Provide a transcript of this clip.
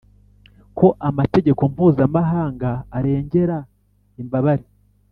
ko amategeko mpuzamahanga arengera imbabare